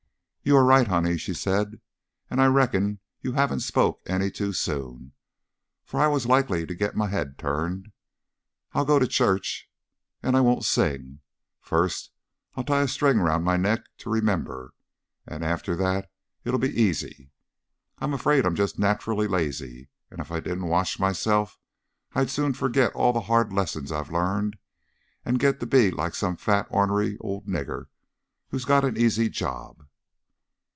"You are right, honey," she said. "And I reckon you haven't spoken any too soon, for I was likely to get my head turned. I'll go to church and I won't sing. First I'll tie a string round my neck to remember, and after that it'll be easy. I'm afraid I'm just naturally lazy, and if I didn't watch myself I'd soon forget all the hard lessons I've learned and get to be like some fat ornary old nigger who's got an easy job."